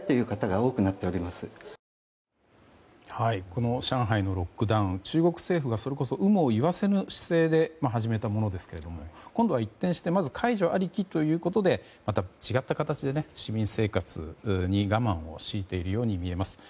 この上海のロックダウン中国政府がそれこそ有無を言わせぬ姿勢で始めたものですが今度は一転して解除ありきということでまた違った形で市民生活に我慢を強いているように見えます。